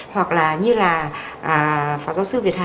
hoặc là như là phó giáo sư việt hà